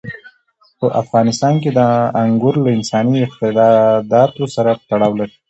په افغانستان کې انګور له انساني اعتقاداتو سره تړاو لري.